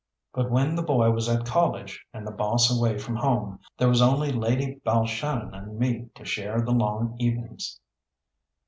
But when the boy was at college, and the boss away from home, there was only Lady Balshannon and me to share the long evenings.